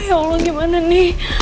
ya allah gimana ini